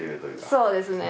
そうですね。